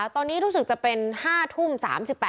ตอนนี้รู้สึกจะเป็นวิสัยที่เกิดอะไรขึ้นบ้าง